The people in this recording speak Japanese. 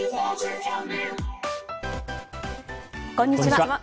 こんにちは。